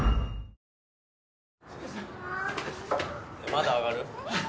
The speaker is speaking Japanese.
まだ上がる？